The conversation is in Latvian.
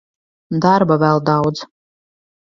Darba vēl daudz.